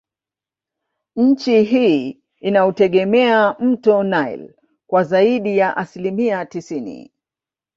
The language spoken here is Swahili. Nchi hii inautegemea mto nile kwa zaidi ya asilimia tisini